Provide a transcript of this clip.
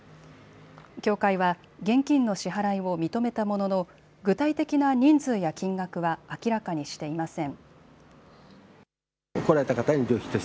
協会は現金の支払いを認めたものの具体的な人数や金額は明らかにしていません。